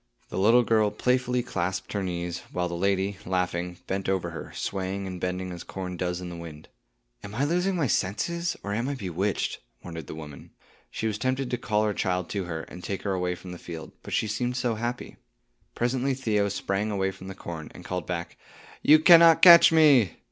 The little girl playfully clasped her knees, while the lady, laughing, bent over her, swaying and bending as corn does in the wind. "Am I losing my senses, or am I bewitched?" wondered the mother. She was tempted to call her child to her, and take her away from the field, but she seemed so happy. Presently Theo sprang away from the corn, and called back, "You cannot catch me."